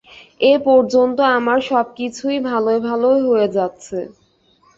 এ পর্যন্ত আমার সব কিছুই ভালয় ভালয় হয়ে যাচ্ছে।